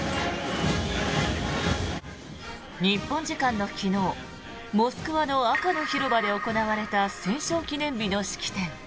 日本時間の昨日モスクワの赤の広場で行われた戦勝記念日の式典。